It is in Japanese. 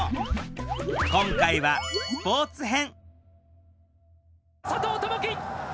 今回はスポーツ編。